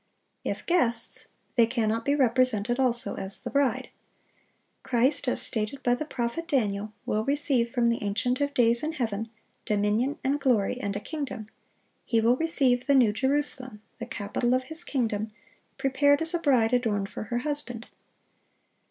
(706) If guests, they cannot be represented also as the bride. Christ, as stated by the prophet Daniel, will receive from the Ancient of days in heaven, "dominion, and glory, and a kingdom;" He will receive the New Jerusalem, the capital of His kingdom, "prepared as a bride adorned for her husband."